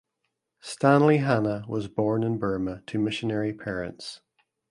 Stanley Hanna was born in Burma to missionary parents.